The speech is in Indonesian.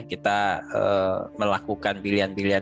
kita melakukan pilihan pilihan